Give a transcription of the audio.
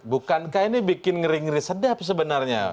bukankah ini bikin ngeri ngeri sedap sebenarnya